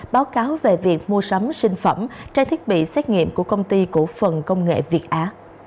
báo cáo về việc mua sắm sinh phẩm trang thiết bị xét nghiệm của công ty cổ phần công nghệ việt á